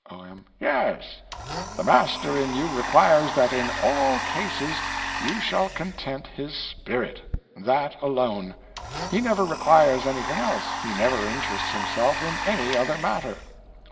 O.M. Yes. The Master in you requires that in _all _cases you shall content his _spirit _—that alone. He never requires anything else, he never interests himself in any other matter.